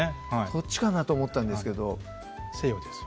そっちかなと思ったんですけど西洋です